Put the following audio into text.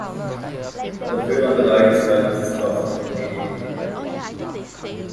The figure on the right describes this process in detail.